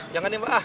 jangan nih mbak